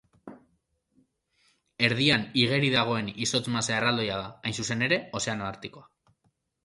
Erdian igeri dagoen izotz masa erraldoia da, hain zuzen ere, Ozeano Artikoa.